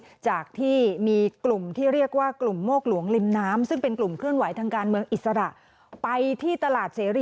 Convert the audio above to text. พระเจ้าพระรักษณ์อยู่เนี่ยก็บอกวิรากันเพราะว่าท่านอยู่ในนั้นจ้ะ